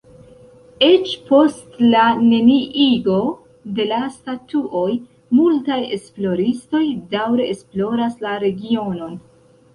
Eĉ post la neniigo de la statuoj multaj esploristoj daŭre esploras la regionon.